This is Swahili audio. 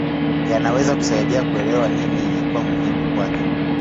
Yanaweza kusaidia kuelewa nini ilikuwa muhimu kwake.